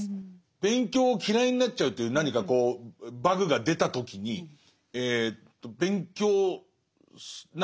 勉強を嫌いになっちゃうという何かこうバグが出た時に勉強何で勉強しなきゃいけないんだ